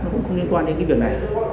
liên quan đến cái việc này